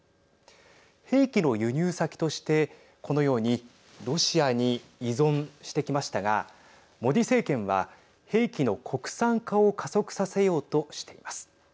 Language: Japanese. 兵器の輸入先として、このようにロシアに依存してきましたがモディ政権は兵器の国産化を加速させようとしています。